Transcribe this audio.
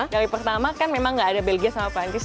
dari pertama kan memang gak ada belgia sama perancis